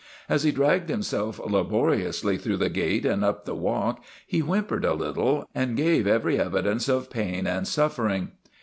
As he dragged himself laboriously through the gate and up the walk he whimpered a little, and gave every evidence of pain and suffering.